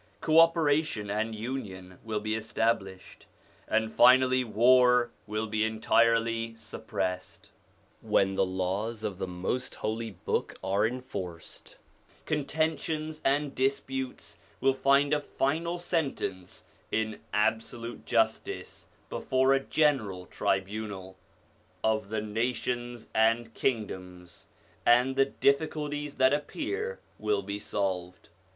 Co operation and union will be established, and finally war will be entirely suppressed. When the laws of the Most Holy Book are enforced, contentions and disputes will find a final sentence of absolute justice before a general tribunal l of the nations and kingdoms, and the difficulties that appear will be solved.